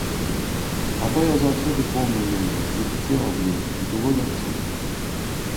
А то я заўсёды помніў яе, летуцеў аб ёй, і было лягчэй.